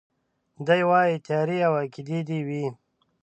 دی وايي تيارې او عقيدې دي وي